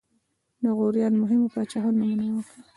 د غوریانو مهمو پاچاهانو نومونه واخلئ.